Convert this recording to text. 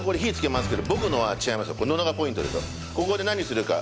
ここで何するか。